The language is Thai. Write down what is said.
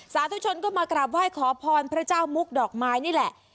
สาธุชนก็มากราบไหว้ขอพรพระเจ้ามุกดอกไม้นี่แหละ